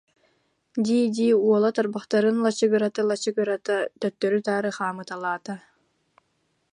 дии-дии, уола тарбахтарын лачыгырата-лачыгырата, төттөрү-таары хаамыталаата